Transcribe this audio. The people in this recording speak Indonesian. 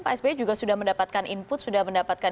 pak sby juga sudah mendapatkan input sudah mendapatkan